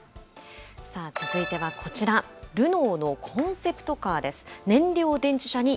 さあ続いてはこちら、ルノーのコンセプトカーです。